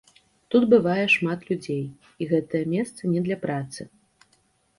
Тут бывае шмат людзей, і гэтае месца не для працы.